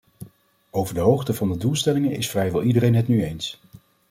Over de hoogte van de doelstellingen is vrijwel iedereen het nu eens.